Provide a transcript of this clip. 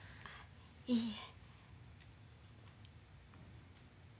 いいえ。